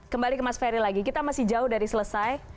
kembali ke mas ferry lagi kita masih jauh dari selesai